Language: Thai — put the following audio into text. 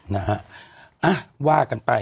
นะฮะว่ากันไป